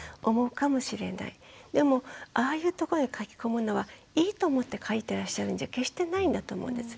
でもああいうとこに書き込むのはいいと思って書いてらっしゃるんじゃ決してないんだと思うんです。